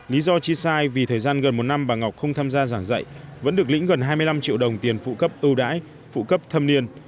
lý do chi sai vì thời gian gần một năm bà ngọc không tham gia giảng dạy vẫn được lĩnh gần hai mươi năm triệu đồng tiền phụ cấp ưu đãi phụ cấp thâm niên